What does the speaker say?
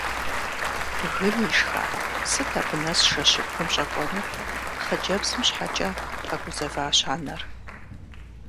Гын ишха, сыт абы нэс жэщыбгым щӀэкӀуэнур? – хъыджэбзым щхьэкӀэ къэгузэващ анэр.